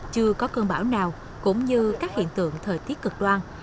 chưa có cơn bão nào cũng như các hiện tượng thời tiết cực đoan